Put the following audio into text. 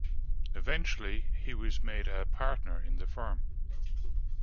Eventually, he was made a partner in the firm.